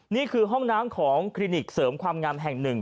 นี่คือห้องน้ำของคลินิกเสริมความงามแห่งหนึ่ง